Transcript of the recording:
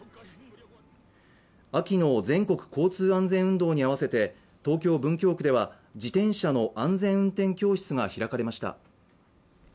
秋の全国交通安全運動に合わせて東京・文京区では自転車の安全運転教室が開かれました。